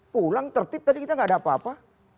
pulang tertib tadi kita nggak ada apa apa